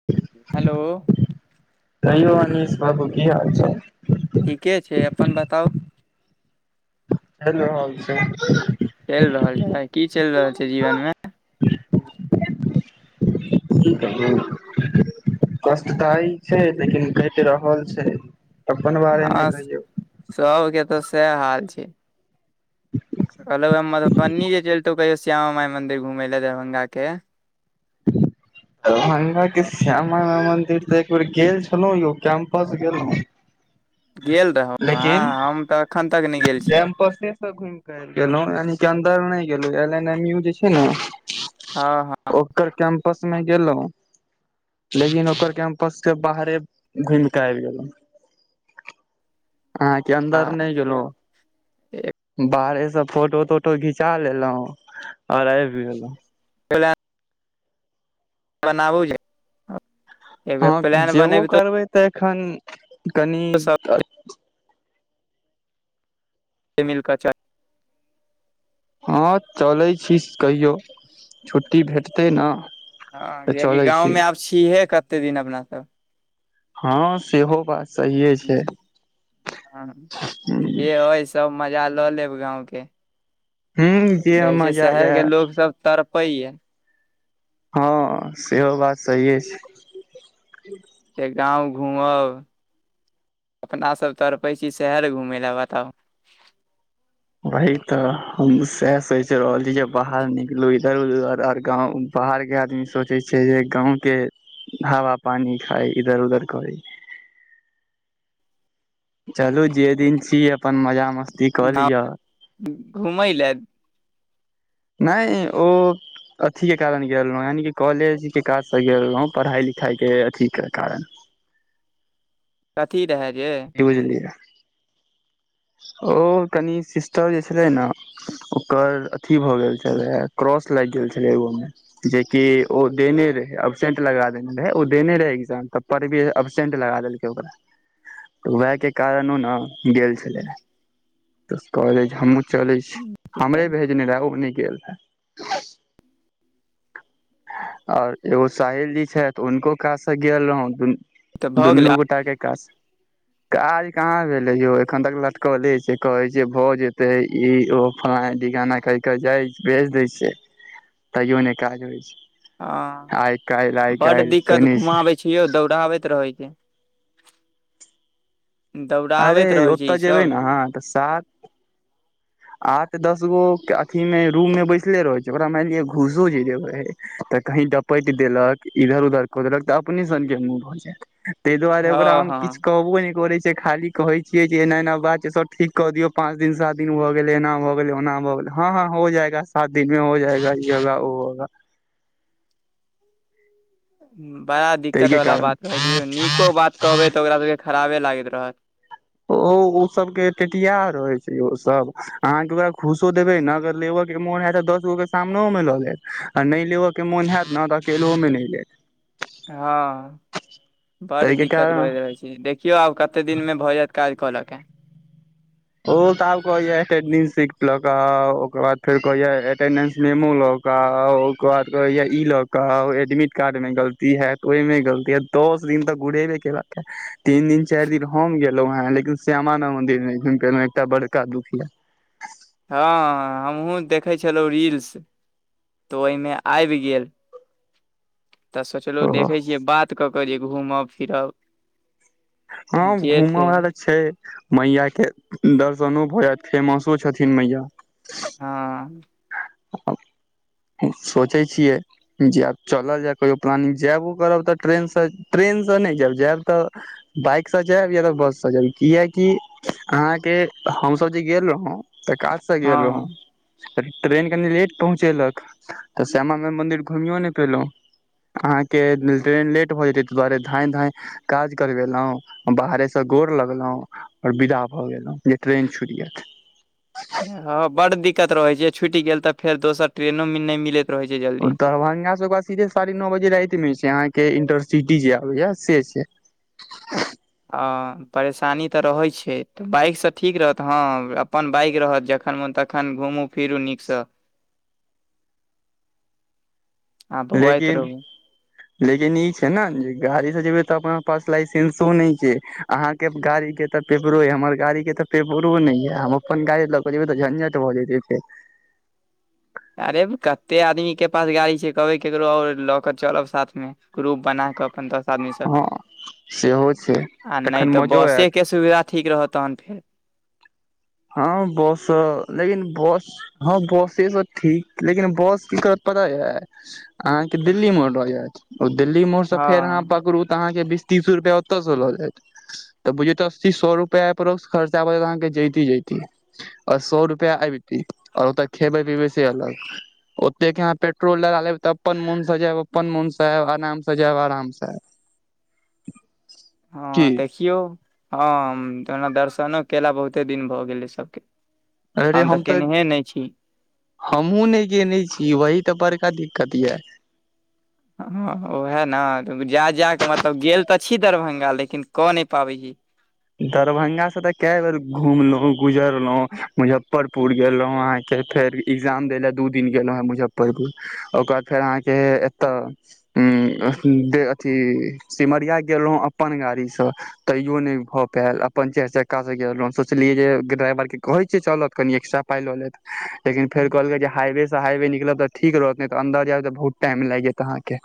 [unintelligible] Hello कहियो अनीश बाबू की हाल छै ठीके छै अपन बताउ चैल रहल छै [unintelligible] चैल रहल छै की चैल रहल छै जीवन में [unintelligible] कष्टताइ छै लेकिन कट रहल छै अपन बारे नै कहियौ सब केँ तऽ सै हाल छै कहलहु मधुबनी जे चलतौ कहियो श्यामा माई मंदिर घुमे ले दरभंगा के। [inaudible] दरभंगाके श्यामा माइ मंदिर तऽ एक बेर गेल छलहु यौ कैंपस गेलहु। [inaudible] गेल रहौ आहा हम तऽ एखन तक नहि गेल। छी कैंपस से घुमिक आयब गेलहु यान के अन्दर नहि गेलहु एल एन एम यू जे छैय ने हँ हँ ओकर कैम्पस मे गेलहुँं। लेकिन ओकर कैम्पसके बाहरे घूम के आबि गेलो। आहांके अन्दर हँ नहि गेलहु बाहरेसे फोटो तोटो घिचा लेलहु और आब गेलो। [inaudible] बनाबू जे एक बेर हँ प्लान जेबो बनेबितौ करबै तऽ एखन कनि सब मिल क चा हँ चलैत छी कहियौ छुट्टी भेटतै ने हँ तऽ कियाकि चलै छी गाँवमे आब छियहे कते दिन अपना सब। हँ सेहो बात सहिए छैय। ह जे अइ सब मजा लऽ लेब गाँंवके। ह जे देखै छीयै मजा य शहरके लोग सब तड़पै य हँ सेहो बात सहिये छैय। जे गाँव घूमब अपना सब तड़पै छी शहर घूमय ल बताउ। वही तऽ हम सैह सोच रहल छी जे बाहर निकलू जर आर गाँव बाहरके आदमी सोचै छैय जे गाँंव के हवा पानी खाय इधर उधर करै चलू जे दिन छी अपन मजा मस्त ती क गाँव लिअ घूमय लए नहि ओ अथीके कारण गेल रहौँ यानि कॉलेजके काजसँ गेल रहौँ पढ़ाइ लिखाइके अथीके कारण कथी रहय जे? बुझलियऽ ओ कनि सिस्टर जे छलै ने ओकर अथी भऽ गेल छलै। क्रॉस लागि गेल छलै एगो मे जेकि ओ देने रहे अब्सेंट लगा देने रहे ओ देने रहे एग्जाम त पर भी अब्सेंट लगा देलकै ओकरा। वएह के कारणो ने गेल छ कहे हमहुँ चलै छी हमरे भेजने रहे ओ नहि गेल रहै। [inaudible] आओर एगो सहिल जी छथि हुनको काज से गेल रहौं। तऽ भऽ गेलै दुनू गोटाके काज स। काज कहाँ भेले यौ एखन तक लटकले छैय कहै छैय भए जेते ई ओ फला डीगाना कहि के जाइ बेच दै छैय तैयो नहि काज होइ छैय। हँ बड काल्हि दिक्कत कने छै घुमाबै छियौ दौड़ाबैत रहै छैय। दौड़ाबैत रहै छैय ई सब। हँ तऽ सात आठ दस गो के अथी मे रूम मे बैसले रहै छैय ओकरा मानि लिय घूसो जे देबै तऽ कही टपटि देलक इधर उधर कऽ देलक तऽ अपने सनके मुँह होऽ जायत तैय दुआरे हँ ओकरा हम हँ किछ कहबो नै करे छै। खाली कहे छियै जे एना एना बात छै सब ठीक क दियौ पांच दिन सात दिन गेल एना भऽ गेलै ओना भऽ गेलै हँ हँ हो जाएगा सात दिन में हो जाएगा ई होगा ओ होगा बड़ा दिक्कत ताहिके वला कारण बात भऽ छैयौ नीको बात कहबै तऽ ओकरा सब केँ खराबे लागैत रहत ओ ओ सब केँ टेटिया रहे छै। ओ सब अहाँकेँ ओकरा घूसो देबे ने अगर लेबर केँ मोन हयत दस गो केँ सामनो मे लऽ लेत आ नै लेब केँ मोन होयत न तऽ अकेलो में नै लेत हँ [inaudible] बड़ ताहिके दिक्कत कारण करे रहै छै देखियौ आब कते दिनमे भऽ जायत काज कऽ लऽ के ओ तऽ आब कहया एटेंडेंस सिट लऽ कऽ आउ ओकर बाद फेर कहया एटेंडेंस मेमो लाउ [unintelligible] ओकर बाद कहैय ई लऽ कऽ आउ एडमिट कार्ड में गलती हयत ओइ में गलती हत दस दिन तऽ घुरेबे केलक है तीन दिन चारि दिन हम गेलों हैं लेकिन श्यामा माय मंदिर नै घुम फेनो एकटा बड़का दुख यऽ हँ हमहुँ देखै छलौ रील्स तऽ ओइमे आइब गेल तऽ सोचलौ ओ देखै छियै बात कऽ कऽ जे घूमब फिरब हँ जे घूम छै वला तऽ छै मैया केँ दर्शनो भऽ जायत फेमसो छथिन मैया हँ [unintelligible] सोचै छियै जैब चलल जाय कहियो प्लानिंग जायबो करब तऽ ट्रेन स ट्रेन स नै जायब जायब तऽ बइक स जायब या तऽ बस स जायब किया कि अहाँकेँ हम सब जे गेल रहौं तऽ काज से गेल रहूँ हँ तऽ ट्रेन कनि लेट पहुँचेलक तऽ श्यामा माइ मंन्दिर घुमियो नै पेलों अहाँ केँ ट्रेन लेट भऽ जेतै ताहि दुआरे धाँय धाँय काज करबेलों बाहरे स गोर लगलौ और विदा भऽ गेलौ जे ट्रेन छुट जायत [inaudible] हँ बड दिक्कत रहे छै छुट गेल तऽ फेर दोसर ट्रेनो में नै मिलेत रहै छै जल्दी ओ दरभंगा से ओकरा सीधे साढ़े नओ बजे राइत में छै अहाँकेँ इंटरसिटी जे आबे यऽ से छै आ परेशानी तऽ रहैत छै तऽ बाइक स ठीक रहत हँ अपन बाइक रहत जखन मोन तख तखन घुमू फिरू नीक स आ [inaudible] बौआइत लेकिन रहू लेकिन ई छै ने जे गाड़ी से जेबै तऽ अपना पास लाइसेंसो नै छै अहाँकेँ गाड़ी केँ तऽ पेपरो य हमर गाड़ी केँ तऽ पेपरो न य हम अपन गाड़ी लग जबै झनझट भऽ जेत से अरे कते आदमी केँ पास गाड़ी छै कहबै केकरो और लऽ कऽ चलब साथ में ग्रुप बना कऽ खन दस आदमी स हँ सेहो छै [inaudible] आ नै तखन तऽ मजो बसे आयत केँ सुविधा ठीक रहत तहन फेर हँ बस लेकिन बस हँ बसे स ठीक लेकिन बस की करत पता यै अहाँकेँ दिल्ली मोड़ लऽ जैत ओ दिल्ली मोड़ से फेर अहाँ हँ पड़ तऽ अहाँकेँ बीस तीस रुपआ ओते से लऽजायत तऽ बुझियो तऽअसी सौ रुपियाअप्रॉक्स खर्चा अहाँ केँ जैते जैत ती [inaudible] और सौ रुपआ आइबति और ओ तऽ खेबे पीबै से अलग ओते के अहाँ पेट्रोल डला लेब तऽ अपन मोन से जैब अपन मोन से आएब आराम से जैब आराम से आएब [inaudible] हँ देखियौ हँ जेना दर्शनो केला बहुते दिन भऽ गेलै सभके अरे हम तऽ हमहुँ नय गेने छी वही तऽ बड़का दिक्कत ये हँ ओहे न जा जा कऽ मतलब गेल तऽ छी दरभंगा लेकिन कऽ नय पाबै छी दरभंगा से तऽ कै बेर घुमलौं गुजरलौं मुजफ्फरपुर गेलौं अहाँके फेर एग्जाम दै लए दू दिन गेलौं हें मुजफ्फरपुर ओकर बाद फेर अहाँके एतऽ उंम्म दे अथी सिमरिया गेलौं अपन गाड़ी सँ तैयो नय हो पैल अपन चारि चक्का सँ गेल रहौं सोचलियै जे ड्राइवर के कहै छियै चलत कनि एक्स्ट्रा पाइ लऽ लेत लेकिन फेर कहलकै जे हाइवे से हाइवे निकलब तऽ ठीक रहत नै तऽ अन्दर जायब तऽ बहुत टाइम लागि जैत अहाँके के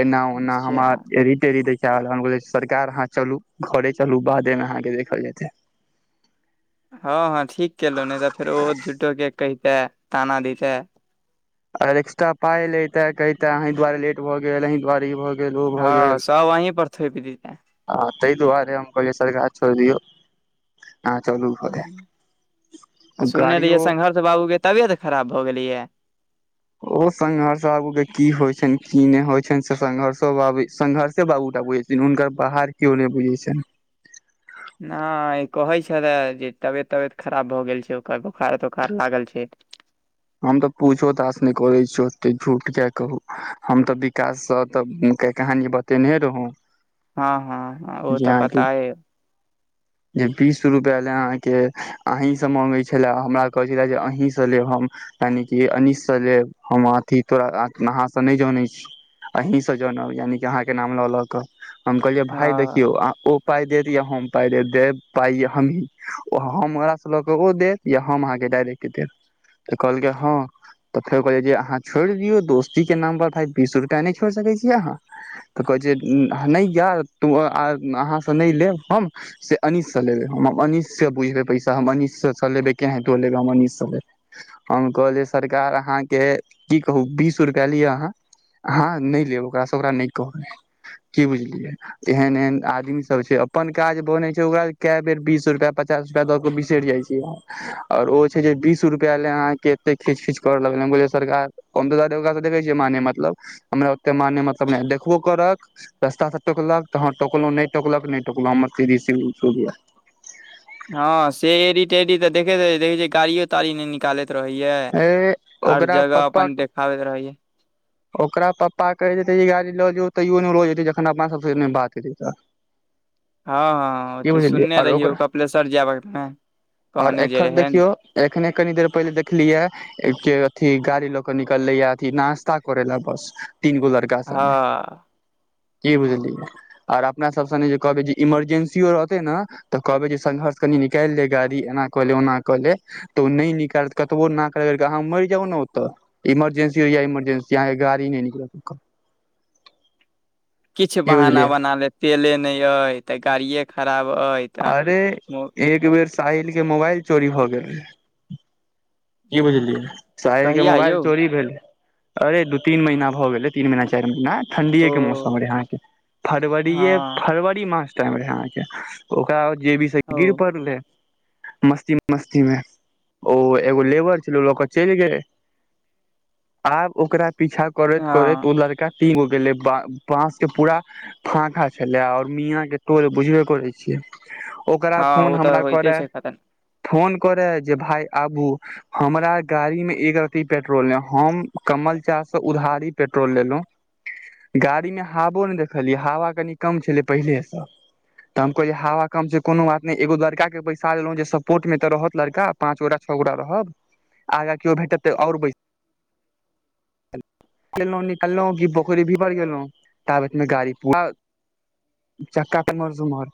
एना ओना जा हमरा एरी टेरी देखेब लागल हम कहलियै सरकार अहाँ चलू घरे चलू बादेमे अहाँके देखल जेतै हँ हँ ठीक केलौं नय तऽ फेर ओहो झूठो के कहिते ताना दिते अगर एक्स्ट्रा पाय लैते कहिते अहीं दुआरे लेट भऽ गेल अहीं दुआरे ई भऽ गेल फेर ओ भऽ हँ गेल सब वहीं पर थोपि देते आ तहि दुआरे हम कहलियै सरकार छोड़ दियौ। अहाँ चलू ओतऽ गाड़ियो तऽ बाबू के तबियत खराब भऽ गेलैये। ओ संघर्ष बाबू के की होय छैन्ह की नय होय छैन्ह से संघर्षो बाबू संघर्षे बाबूटा बुझै छथिन हुनकर बाहर केओ नय बुझै छनि। हँ आइ कहै छलेय जे तबियत तबियत खराब भऽ गेल छै ओकर बोखार तोखार लागल छै। हम तऽ पूछो ताछ नय करै छियै ओते झूठ किये कहू। हम तऽ विकास सँ तऽ के कहानी बतेनहे रहु हँ हँ हॅं ओ तऽ पताये [inaudible] जे बीस रुपया ले अहाँके अहीं से मांगैय छलेय हमरा कहै छलेय जे अहीं सँ लेब हम यानि की अनिश सँ लेब हम अथी तोरा अहाँ से नय जनै छी अहींसँ जनब यानि कि अहाँके नाम लऽ लऽ कऽ हम कहलियै भाय देखियौ हँ अहाँ ओ पाइ देत या हम पाइ दे देब पाइ हमहीं ओ हमरा सँ लऽ कऽ ओ देत या हम अहाँके डायरेक्ट देब तऽ कहलकै हँ तऽ फेर कहलियै जे अहाँ छोड़ि दियौ दोस्ती के नाम पर भाय बीस रुपैया नय छोड़ि सकैय छियै अहाँ तऽ कहै छै नहि यार तू अ अहाँ से नय लेब हम से अनिश सँ लेबै हम अनिश से बुझबै पैसा हम अनिश सँ लेबै केनाहितो लेबै हम अनीश सँ लेबै हम कहलियै सरकार अहाँके की कहू बीस रुपया लिय अहाँ अहँ नय लेब ओकरा सँ ओकरा नय कहबै की बुझलियै एहन एहन आदमी सब छै अपन काज बनै छै ओकरा से कै बेर बीस रुपया पचास रु पया दऽ के बिसरि जाय छियै हम आओर ओ छै जे बिस रुपया ले अहाँ के एते खीच खीच करय लगलै हम कहलियै सरकार हम तऽ ओकरा सँ देखै छियै माने मतलब हमरा ओते माने मतलब नय आ देखबो करत रस्ता सँ टोकलक तऽ हँ टोकलौं नय टोकलक नय टोकलौं हमर सीधी सी उसूल ये हँ से एरी टेरी तऽ देखैत रहैत देखै छियै गाड़ियो तारीयो नय निकालैत रहैये ए हर ओकरा जगह पप्पा अपन देखाबैत रहैये ओकरा पप्पा कहैत हेतै जे ई गाड़ी लऽ जो तैयो नय लऽ जेतै जखन अपना सब से नय बात हेतै तऽ [inaudible] हँ-हँ-हँ ओ की ते बुझलियै सुनने आओर ओकरा रहियौ कपिलेश्वर जयबाक हेतै और कहने जे एखन रहैन। देखियौ एखने कनी देर पहिले देख लियै के अथी गाड़ी लऽ के निकलले ये अथी नाास्ता करे लऽ बस तीन गो लड़ का सब हँ की बुझलियै? और अपना सब संगे जे कहबै जे इमरजेंसियो रहतय ने तऽ कहबे जे संघर्ष कनि निकालि ले गाड़ी एना कऽ ले ओना कऽ ले तऽ ओ नहि निकालतै कतबो नाक रगड़ि के अहाँ मरि जाउ ने ओतऽ इमरजेन्सी हो या इमरजेन्सी अहाँके गाड़ी नहि निकलत। किछ की बहाना बुझलियै बना लेत तेले नहि अहि ते गाड़िये खराब अय। अरे एक बेेर साहिलके मोबाइल चोरी भऽ गेल। की बुझलिही साहिलके कहिया मोबाइल यौ चोरी भेलय। अरे दू तीन महीना भऽ गेलय तीन महीना चारि महीना। ओ ठंढ़ीएके मौसम रहय यहाँ के फरवरीेये हँ फरवरी मार्च टाइम रहय अहाँके ओकरा जेबी सब ओ गिर पड़लै। मस्ती मस्तीमे ओ एगो लेबर छलै ओ लके चलि गेल आब ओकरा पीछा करैत करैत हँ ओ लड़का तीन हो गेलै ब बाँस के पूरा फांका छलय आओर मियााँ के टोल बुझबे करै छियै। ओकरा हँ ओ फोन तऽ हमरा होइते करय छै खतरनाक फोन करे जे भाय आबू। हमरा गाड़ीमे एक रति पेट्रोल नहि हम कमल चा से उधारी पेट्रोल लेलहुँ। गाड़ीमे हावो ने देखलियै हवा कनि कम छलै पहिलेसँ। तऽ हम कहेय हवा कम छैय कोनो बात नहि एगो लड़का के बैसा लेलों जे सपोर्ट मे त रहत लड़का पाच गोटा छओ गोटा रहब आगा केओ भेटत तऽ आओर बै गेलहुं निकललहुँ क बखरी भीपर गेलहुं ताबत गाड़ी पूरा चक्का पम्हर सुमहर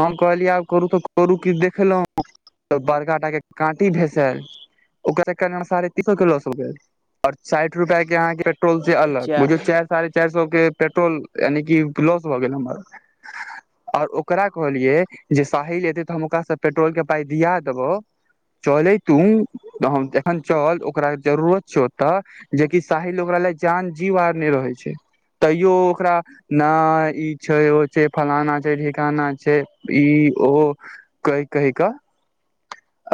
हम कहलियै आब करू तऽ करू कि देखेलहुँ। त बड़काटके काँटी भेसल ओकरारे तीको गेल। और साठि रुपआके अहाँके पेट्रोलसे अलग किया बुझयौ चारि साढ़े चारि सए के पेट्रोल यानि कि लॉस भऽ गेल हमर आओर ओकरा कहलियै जे साहिल एतै तऽ हम ओकरासँ पेट्रोल के पाइ दिया देबौ। चलै तू जखन चल ओकरा जरूरत छैय ओ तऽ जेकि साहिल ओकरा लए जान जीव आर नहि रहै छैय तैयो ओकरा नहि ई छैय ओ छैय फलाना छैय ठिकाना छैय ई ओ। कहि कहि का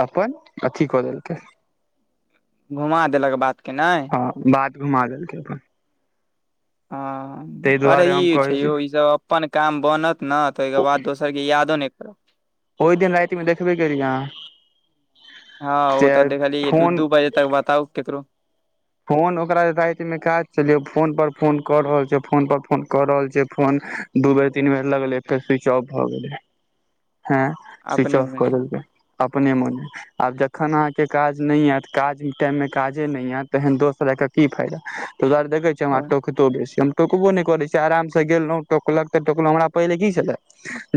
अपन अथी कऽ देलकै। घुमा देलक बात के नहि? हँ बात घुमा देलकै अपन। हँ ताहि पढ़ दुआरे हम ई छैय कहै छी यौ ईसभ अपन काम बनत ने ताहिके बाद दोस सरके यादो नहि क ओहि दिन रातिमे देखबे केलीयै अहाँ। हँ ओ से तऽ देखलियै दू फोन दू बजे तक बताउ केकरो फोन ओकरा रातिमे काज चलियौ फोन पर फोन कऽ रहल छैय फोन पर फोन कऽ रहल छिय फोन दू बेर तीन बेर लगलै फेर स्विच ऑफ भए गेलै हँ। सुविच अपने ऑफ मे क देलकै। अपने मोने आब जखन अहाँके काज नहि आयत काज टाइममे काजे नहि आयत तेहन दोस्त रईखके की फायदा त दुआरे देख छियै हमा टोक तो बेसी हम टोकबो नहि करै छियै आराम से गेलहुॅ टोकलक तऽ टोकलहुं हमरा पहिले की छलै।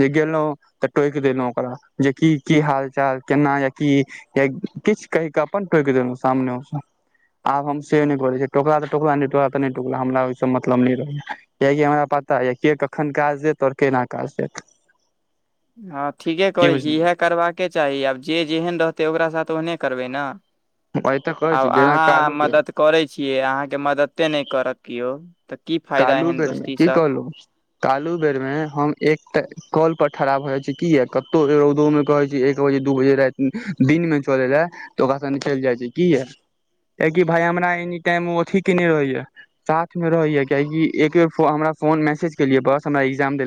जे गेलहुँ तऽ टोक देलहु ओकरा जेकी की हाल चाल केना या की। या किछ कहिके का अपन टोक देलू सामने मे आब हम से नहि करै टोकला तऽ टोकला नहि टोकाला त नहि टोकला हमरा ओ मतलब नहि। कियकि हमरा पता य के कखन काज देत और केना काज देत। हँ ठीके की करैत छी इएह बुझलियै करबाक चाही आब जे जेहन रहतै ओकरा साथ ओहने करबै ने ओहि तऽ कहै आब छी जेना अहाँ कालू के मदद करै छियै अहाँके मददते नहि करब केयौ कालो बेर मे की कहलहु कालू बेर मे हम एक कॉलपर ठड़ा भऽ जाइत छै किया कतहु रौदोमे कहैत छै एक बजे दू बजे राति दिनमे चलै लए तऽ ओकास निकलि जाइ छै कीया किया कि भाय हमरा एनी टाइम अथी के ने रहैया साथ मे रहैया कियाकी एक हमरा फोन मेसेज केलिये बस हमरा एग्जाम देल